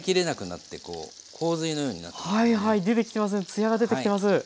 ツヤが出てきてます！